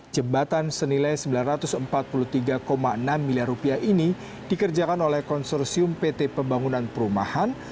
jembatan senilai rp sembilan ratus empat puluh tiga enam miliar ini dikerjakan oleh konsorsium pt pembangunan perumahan